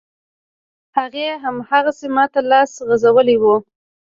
هغې، هماغسې ماته لاس غځولی و.